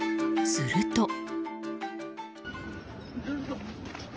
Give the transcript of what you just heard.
すると。